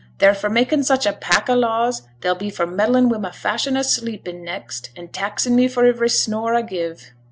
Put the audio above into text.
They're for making such a pack o' laws, they'll be for meddling wi' my fashion o' sleeping next, and taxing me for ivery snore a give.